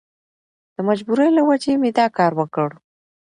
د مجبورۍ له وجهې مې دا کار وکړ.